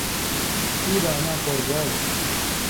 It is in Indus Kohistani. ای لہ اماں پورژاگ۔